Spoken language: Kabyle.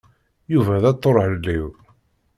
Yuba d aṭuṛhelliw.